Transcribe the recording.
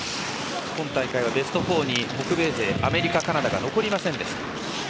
今大会はベスト４に北米勢アメリカ、カナダが残りませんでした。